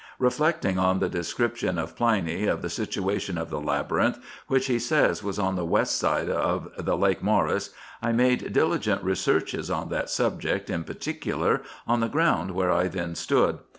Eeflecting on the description of Pliny of the situation of the Labyrinth, which he says was on the west side of the Lake Mceris, I made diligent researches on that subject in particular, on the ground where I then stood.